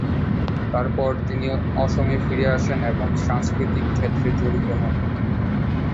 তারপর তিনি অসমে ফিরে আসেন ও সাংস্কৃতিক ক্ষেত্রে জড়িত হন।